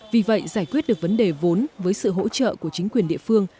vì vậy giải quyết được vấn đề vốn với sự hỗ trợ của chính quyền địa phương